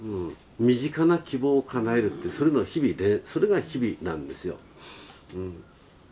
身近な希望をかなえるってそれの日々それが日々なんですよ。